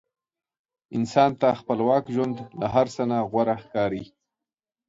انسان ته خپلواک ژوند له هر څه نه غوره ښکاري.